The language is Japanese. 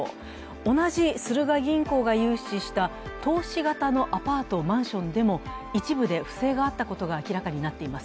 同じスルガ銀行が融資した投資型のアパート・マンションでも一部で不正があったことが明らかになっています。